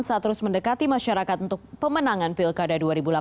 saat terus mendekati masyarakat untuk pemenangan pilkada dua ribu delapan belas